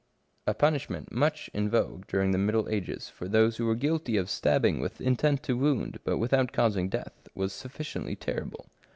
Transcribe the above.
A punishment much in vogue during the middle ages for those who were guilty of stabbing with intent to wound, but without causing death, was sufficiently terrible.